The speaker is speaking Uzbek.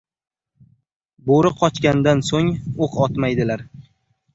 • Bo‘ri qochgandan so‘ng, o‘q otmaydilar.